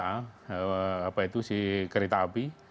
apa itu si kereta api